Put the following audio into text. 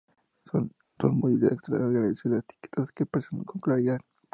Son muy de agradecer las etiquetas que expresan con claridad.